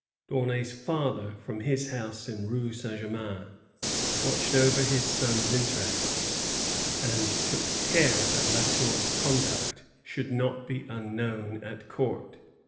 D'Aunay's father, from his house in Rue St. Germain, watched over his son's interests, and took care that La Tour's conduct should not be unknown at court.